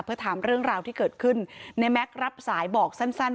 เพื่อถามเรื่องราวที่เกิดขึ้นในแม็กซ์รับสายบอกสั้น